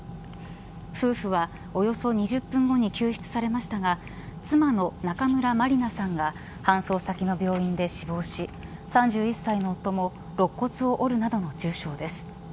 夫婦はおよそ２０分後に救出されましたが妻の中村まりなさんが搬送先の病院で死亡し３１歳の夫も肋骨を折るなどの重傷です。